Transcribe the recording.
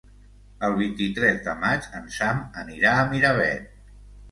El vint-i-tres de maig en Sam anirà a Miravet.